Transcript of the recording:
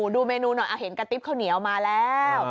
ดูเมนูหน่อยละเห็นกะติ๊ปงี่ออกมาแล้ว